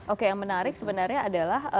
oke yang menarik sebenarnya adalah